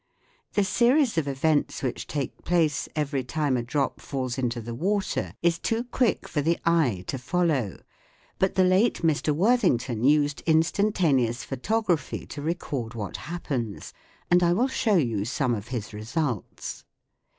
The series of events which take place every time a drop falls into the water is too quick for the eye to follow, but the late Mr. Worthington used instantaneous photography to record what happens, and I will show you some of his results.